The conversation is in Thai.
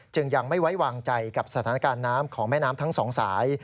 ยังไม่ไว้วางใจกับสถานการณ์น้ำของแม่น้ำทั้งสองสาย